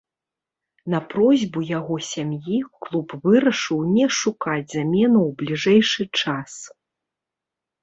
На просьбу яго сям'і клуб вырашыў не шукаць замену ў бліжэйшы час.